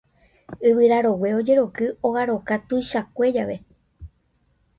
yvyra rogue ojeroky ogaroka tuichakue jave